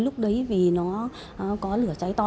lúc đấy vì nó có lửa cháy to